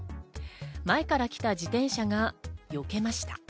前から来た自転車がよけました。